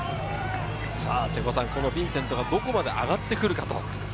ヴィンセントがどこまで上がってくるか？